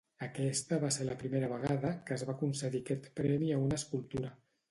Aquesta va ser la primera vegada que es va concedir aquest premi a una escultura.